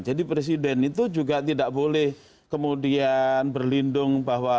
jadi presiden itu juga tidak boleh kemudian berlindung bahwa